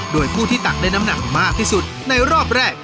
โดยผู้ที่ตักได้น้ำหนักมากที่สุดในรอบแรก